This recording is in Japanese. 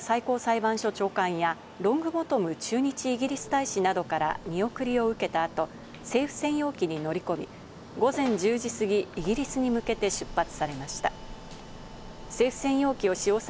羽田空港では、戸倉最高裁判所長官や、ロングボトム駐日イギリス大使などから見送りを受けた後、政府専用機に乗り込み、午前１０時過ぎ、イギリスに向けて出発されました。